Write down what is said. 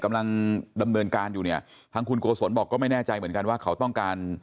กำลังดำเนินการอยู่เนี่ยทางคุณโกศลบอกก็ไม่แน่ใจเหมือนกันว่าเขาต้องการ